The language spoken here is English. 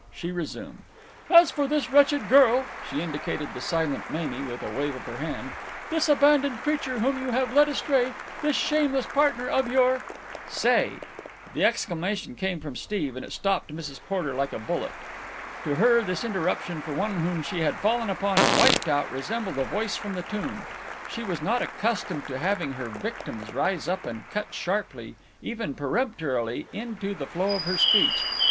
She resumed: "As for this wretched girl"—she indicated the silent Mamie with a wave of her hand—"this abandoned creature whom you have led astray, this shameless partner of your——" "Say!" The exclamation came from Steve, and it stopped Mrs. Porter like a bullet. To her this interruption from one whom she had fallen upon and wiped out resembled a voice from the tomb. She was not accustomed to having her victims rise up and cut sharply, even peremptorily, into the flow of her speech.